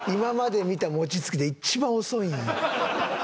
今まで見た餅つきで一番遅いんよ。